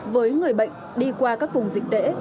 với người bệnh đi qua các vùng dịch tễ